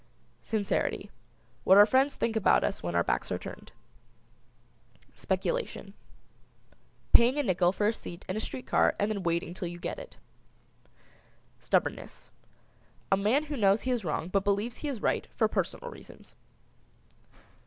SINCERITY. What our friends think about us when our backs are turned. SPECULATION. Paying a nickle for a seat in a street car and then waiting till you get it. STUBBORNNESS. A man who knows he is wrong but believes he is right for personal reasons.